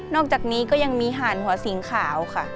อกจากนี้ก็ยังมีห่านหัวสิงขาวค่ะ